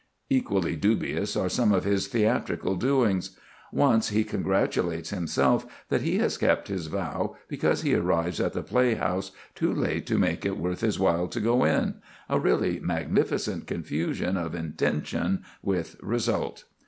Equally dubious are some of his theatrical doings. Once he congratulates himself that he has kept his vow because he arrives at the playhouse too late to make it worth his while to go in—a really magnificent confusion of intention with result.